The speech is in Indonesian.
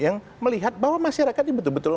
yang melihat bahwa masyarakat ini betul betul